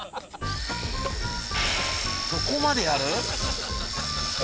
そこまでやる？